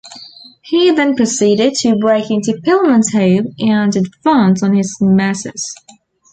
He then proceeded to break into Pillman's home and advance on his nemesis.